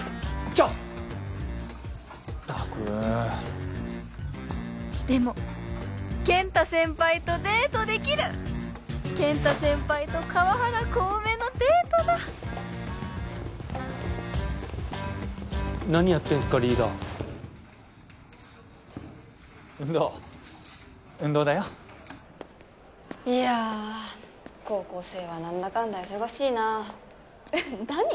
ちょったくでも健太先輩とデートできる健太先輩と川原小梅のデートだ何やってんすかリーダー運動運動だよいや高校生は何だかんだ忙しいなあ何？